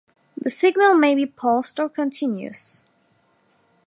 The signal may be pulsed or continuous.